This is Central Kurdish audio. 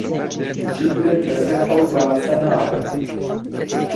چیتر لەسەر ئەو باسە ناڕۆم